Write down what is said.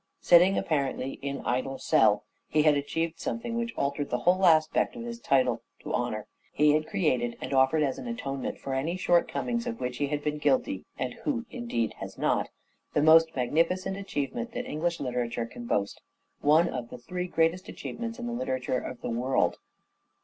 Sitting apparently " in idle cell," he had achieved something which altered the whole aspect of his title to honour. He had created, and offered as an atonement for any shortcomings of which he had been guilty — and who, indeed, has not ?— the most magnificent achievement that English literature can boast ; one of the three greatest achievements in the literature of the world.